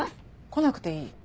来なくていい。